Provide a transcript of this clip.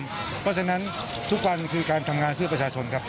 เพราะฉะนั้นทุกวันคือการทำงานเพื่อประชาชนครับ